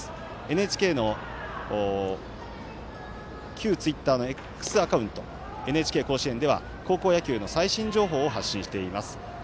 ＮＨＫの旧ツイッターのＸアカウント、ＮＨＫ甲子園では高校野球の最新情報を発信しています。